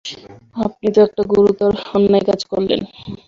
আপনি তো একটা গুরুতর অন্যায় কাজ করলেন।